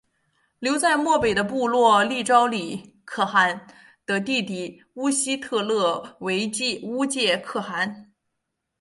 留在漠北的部落立昭礼可汗的弟弟乌希特勒为乌介可汗。